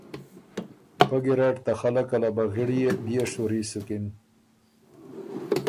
پۀ ګیرډ ته خلق ا لبغِړيې بئے شوري سُکِن